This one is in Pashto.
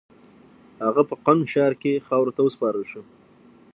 هغه په قم ښار کې خاورو ته وسپارل شو.